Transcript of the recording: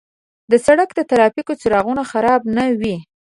د سړک د ترافیک څراغونه خراب نه وي.